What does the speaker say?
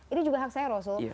itu juga hak saya rasul